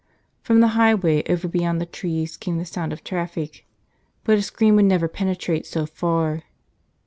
From the highway over beyond the trees came the sound of traffic. But a scream would never penetrate so far.